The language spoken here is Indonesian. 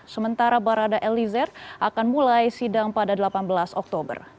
sementara barada elizer akan mulai sidang pada delapan belas oktober